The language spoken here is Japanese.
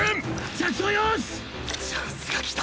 チャンスが来た！